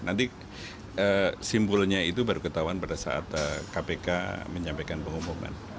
nanti simpulnya itu baru ketahuan pada saat kpk menyampaikan pengumuman